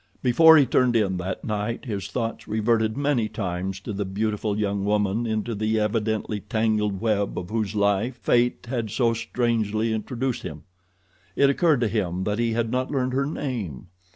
Before he turned in that night his thoughts reverted many times to the beautiful young woman into the evidently tangled web of whose life fate had so strangely introduced him. It occurred to him that he had not learned her name.